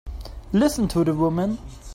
Listen to the woman!